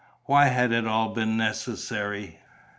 Why had it all been necessary?